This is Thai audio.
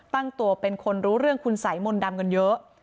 ตั้งตัวเป็นคนรู้เรื่องคุณสัยมนต์ดำกันเยอะ